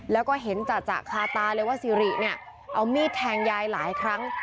แล้วก็เห็นจ่ะคาตาเลยว่าสิริเนี่ยเอามีดแทงยายหลายครั้ง